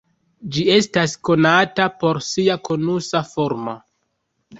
Ĝi estas konata por sia konusa formo.